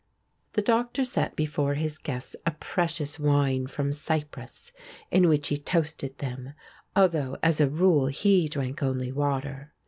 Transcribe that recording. The Doctor set before his guests a precious wine from Cyprus, in which he toasted them, although as a rule he drank only water.